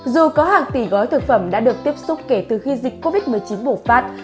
dù có hàng tỷ gói thực phẩm đã được tiếp xúc kể từ khi dịch covid một mươi chín bùng phát